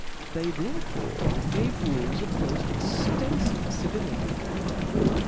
They therefore gave rules of the' mod extenfive civility. S?